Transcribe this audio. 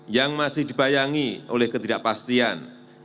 yang masih dibayangi oleh ketidakpastian